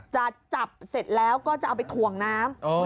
จะจับเสร็จแล้วก็จะเอาไปถ่วงน้ำ